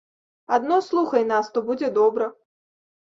Адно слухай нас, то будзе добра.